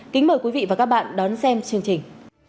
kính mời quý vị và các bạn đón xem chương trình